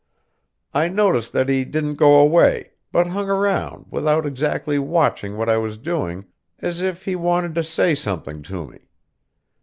I noticed that he didn't go away, but hung round without exactly watching what I was doing, as if he wanted to say something to me.